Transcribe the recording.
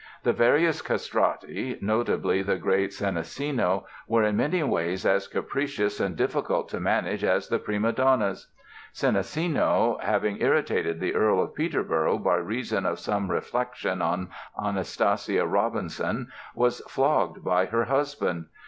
The various castrati (notably the great Senesino) were in many ways as capricious and difficult to manage as the prima donnas. Senesino, having irritated the Earl of Peterborough by reason of some reflection on Anastasia Robinson was flogged by her husband.